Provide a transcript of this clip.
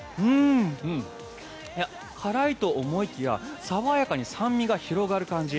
辛いと思いきや爽やかに酸味が広がる感じ。